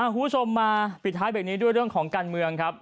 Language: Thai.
คุณผู้ชมมาปิดท้ายเบรกนี้ด้วยเรื่องของการเมืองครับ